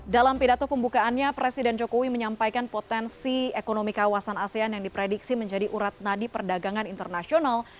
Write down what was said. dalam pidato pembukaannya presiden jokowi menyampaikan potensi ekonomi kawasan asean yang diprediksi menjadi urat nadi perdagangan internasional